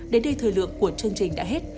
đến đây thời lượng của chương trình đã hết